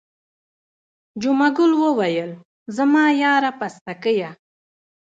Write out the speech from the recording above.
جمعه ګل وویل زما یاره پستکیه.